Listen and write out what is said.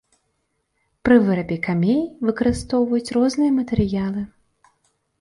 Пры вырабе камей выкарыстоўваюць розныя матэрыялы.